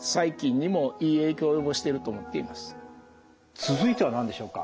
続いては何でしょうか？